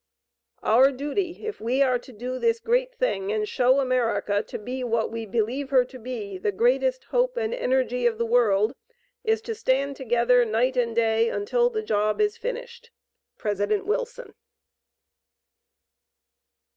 "OUR DUTY, IF WE ARE TO DO THIS GREAT THING AND SHOW AMERICA TO BE WHAT WE BELIEVE HER TO BE THE GREATEST HOPE AND ENERGY OF THE WORLD IS TO STAND TOGETHER NIGHT AND DAY UNTIL THE JOB IS FINISHED." PRESIDENT WILSON.